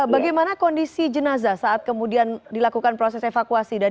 bagaimana kondisi jenazah saat kemudian dilakukan proses evakuasi